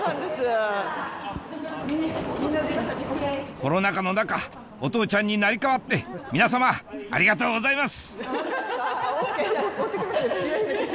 コロナ禍の中お父ちゃんに成り代わって皆さまありがとうございます